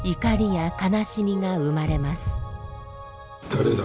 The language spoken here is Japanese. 誰だ！